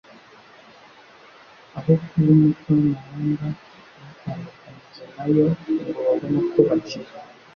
Aho kuba umucyo w'amahanga bitandukanije na yo ngo babone uko bacika